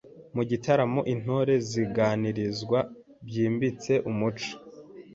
Mu gitaramo, Intore ziganirizwa byimbitse umuco